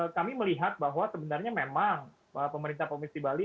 kami melihat bahwa sebenarnya memang pemerintah provinsi bali